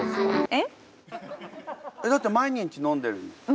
えっだって毎日飲んでるんですよね？